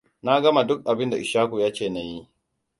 Na gama duk abinda Ishaku ya ce na yi.